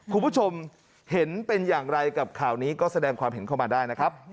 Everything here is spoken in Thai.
คุณผู้ชมเห็นเป็นอย่างไรกับข่าวนี้ก็แสดงความเห็นเข้ามาได้นะครับ